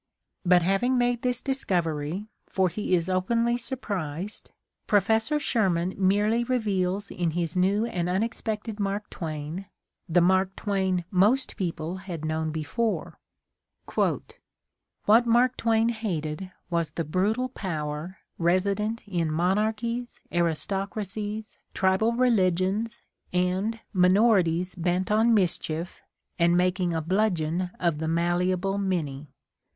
But having made this discovery, for he is openly surprised. Professor Sherman merely reveals in his new and unex pected Mark Twain the Mark Twain most people had known before: "What Mark Twain hated was the brutal power resident in monarchies, aristocracies, tribal re ligions and — minorities bent on mischief, and making a bludgeon of the malleable many.